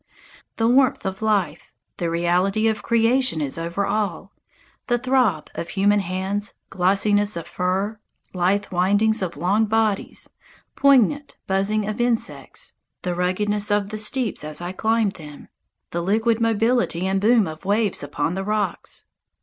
The warmth of life, the reality of creation is over all the throb of human hands, glossiness of fur, lithe windings of long bodies, poignant buzzing of insects, the ruggedness of the steeps as I climb them, the liquid mobility and boom of waves upon the rocks.